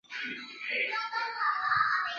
周六时段剧集周末时段剧集